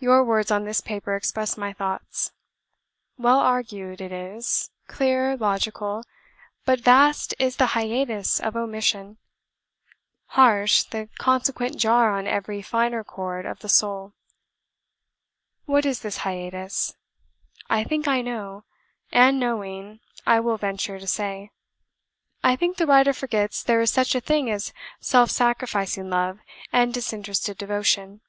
Your words on this paper express my thoughts. Well argued it is, clear, logical, but vast is the hiatus of omission; harsh the consequent jar on every finer chord of the soul. What is this hiatus? I think I know; and, knowing, I will venture to say. I think the writer forgets there is such a thing as self sacrificing love and disinterested devotion.